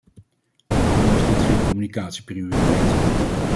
Waarom is dit geen communicatieprioriteit?